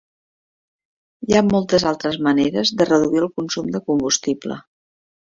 Hi ha moltes altres maneres de reduir el consum de combustible.